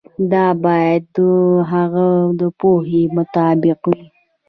دا باید د هغه د پوهې مطابق وي.